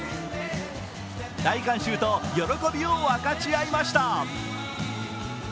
大観衆と喜びを分かち合いました。